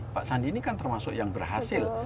pak sandi ini kan termasuk yang berhasil